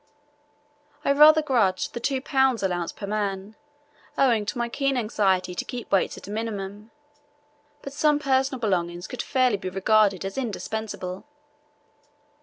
I rather grudged the two pounds allowance per man, owing to my keen anxiety to keep weights at a minimum, but some personal belongings could fairly be regarded as indispensable.